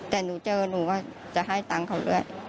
แต่หนูเจอหนูก็จะให้ตังค์เขาด้วย